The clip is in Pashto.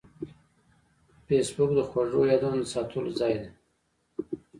فېسبوک د خوږو یادونو د ساتلو ځای دی